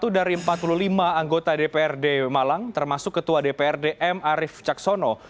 satu dari empat puluh lima anggota dprd malang termasuk ketua dprd m arief caksono